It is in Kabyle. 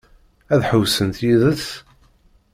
Ad ḥewwsent yid-s?